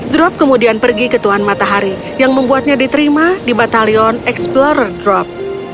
drop kemudian pergi ke tuhan matahari yang membuatnya diterima di batalion explorer drop